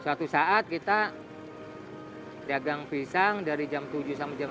suatu saat kita dagang pisang dari jam tujuh sampai jam tiga